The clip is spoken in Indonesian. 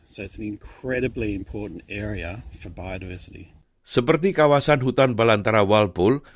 seperti kawasan hutan belantara walpole